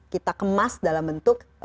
kita kemas dalam bentuk